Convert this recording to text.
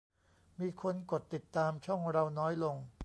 มีคนกดติดตามช่องเราน้อยลง